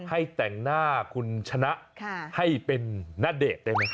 ให้แต่งหน้าคุณชนะให้เป็นณเดชน์ได้ไหมค